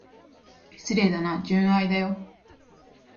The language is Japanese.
失礼だな、純愛だよ。